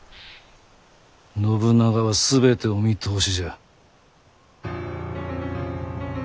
信長は全てお見通しじゃ。